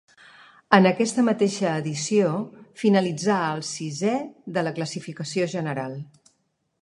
En aquesta mateixa edició finalitzà el sisè de la classificació general.